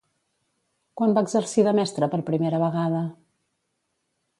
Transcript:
Quan va exercir de mestre per primera vegada?